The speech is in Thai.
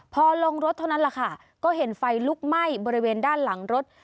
พอลงรถเท่านั้นแหละค่ะก็เห็นไฟลุกไหม้บริเวณด้านหลังรถ